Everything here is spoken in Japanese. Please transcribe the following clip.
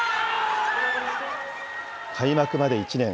開幕まで１年。